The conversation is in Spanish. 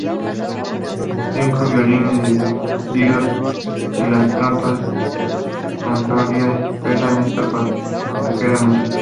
Cinco violines divididos y las trompas con sordina expresan esta pasajera emoción.